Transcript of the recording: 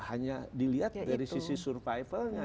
hanya dilihat dari sisi survivalnya